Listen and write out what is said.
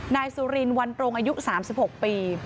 นายสุรินวันตรงอายุ๓๖ปี